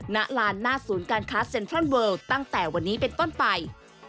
ณลานหน้าศูนย์การค้าเซ็นทรัลเวิลตั้งแต่วันนี้เป็นต้นไป